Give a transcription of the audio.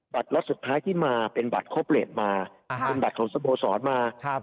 บัตรล็อตสุดท้ายที่มาเป็นบัตรครบเรทมาอ่าฮะเป็นบัตรของสโบสรมาครับ